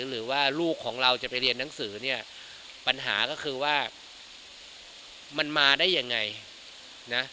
หรือว่าลูกของเราจะไปเรียนหนังสือเนี่ยปัญหาก็คือว่ามันมาได้ยังไงนะ